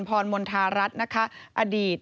พรมนธรรรค์อดีต